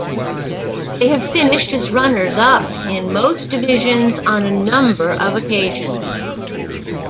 They have finished as runners up in most divisions on a number of occasions.